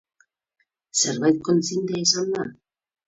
Zerbait kontzientea izan da?